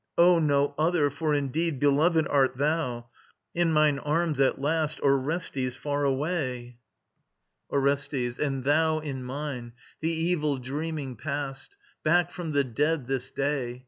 Oh, no other, for indeed Beloved art thou! In mine arms at last, Orestes far away. ORESTES. And thou in mine, the evil dreaming past, Back from the dead this day!